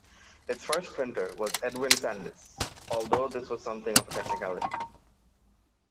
Its first printer was Edwin Sandys, although this was something of a technicality.